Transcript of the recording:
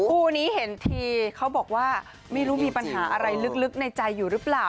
คู่นี้เห็นทีเขาบอกว่าไม่รู้มีปัญหาอะไรลึกในใจอยู่หรือเปล่า